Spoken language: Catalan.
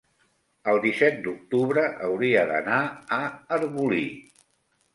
el disset d'octubre hauria d'anar a Arbolí.